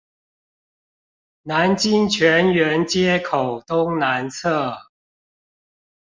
南京泉源街口東南側